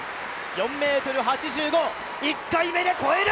４ｍ８５、１回目で超える！